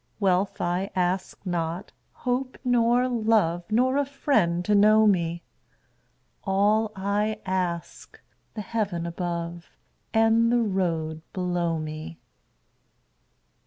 Wealth I ask not, hope nor love, Nor a friend to know me; All I ask, the heaven above And the road below me.